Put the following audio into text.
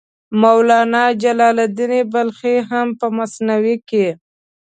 مولانا جلال الدین بلخي هم په مثنوي کې.